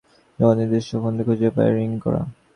যখন নির্দিষ্ট ফোনটা খুঁজে পায়, তখন রিং করা বন্ধ করে দেয়।